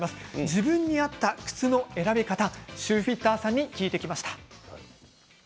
自分に合った靴の選び方シューフィッターさんに聞いてきました。